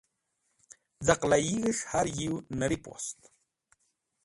Zaqlaig̃h es̃h har yiew Nirip Wost.